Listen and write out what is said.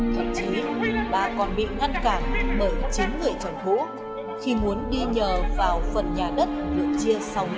thậm chí bà còn bị ngăn cản bởi chính người chồng cũ khi muốn đi nhờ vào phần nhà đất được chia sau lời hôn